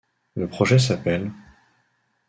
Le projet s'appelle '.